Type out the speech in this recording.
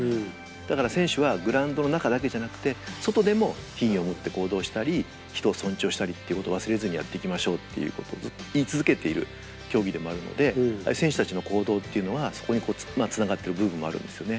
だから選手はグラウンドの中だけじゃなくて外でも品位を持って行動したり人を尊重したりっていうことを忘れずにやっていきましょうということをずっと言い続けている競技でもあるのでああいう選手たちの行動っていうのはそこにつながってる部分もあるんですよね。